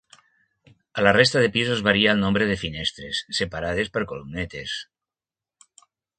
A la resta de pisos varia el nombre de finestres, separades per columnetes.